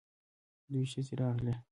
دوې ښځې راغلې.